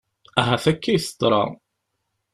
Ahat akka i teḍra.